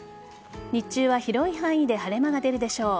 日中は広い範囲で晴れ間が出るでしょう。